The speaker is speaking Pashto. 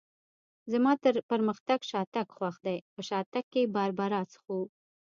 زما تر پرمختګ شاتګ خوښ دی، په شاتګ کې باربرا څښو.